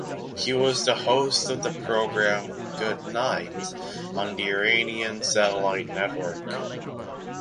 He was the host of the program ""Good Night"" on the Iranian satellite network.